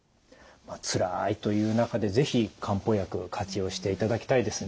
つらいという中で是非漢方薬活用していただきたいですね。